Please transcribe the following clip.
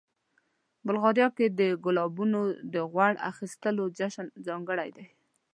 بلغاریا کې د ګلابونو د غوړ اخیستلو جشن ځانګړی دی.